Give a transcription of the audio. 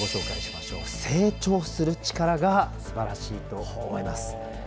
成長する力がすばらしいと思います。